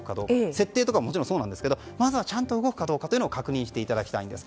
設定とかはもちろんそうですけどまずはちゃんと動くかどうかを確認していただきたいんです。